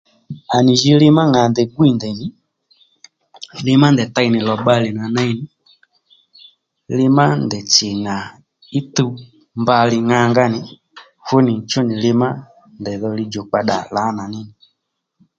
À nì jǐ li má ŋà ndèy gwîy ndèy nì li má ndèy tey nì lò bbalè nà ney nì li má ndèy tsì ŋà í tuw mba li ŋangá nì fúnì chú nì li má ndèy dho li djùkpa ddà lǎnà ní nì